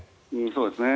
そうですね。